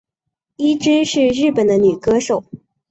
伊织是日本的女歌手。